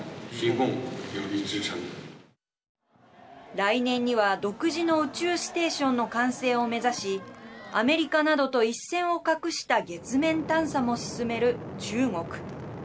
来年には独自の宇宙ステーションの完成を目指しアメリカなどと一線を画した月面探査も進める中国。